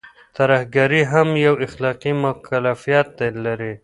ترهګري هم يو اخلاقي مکلفيت لري.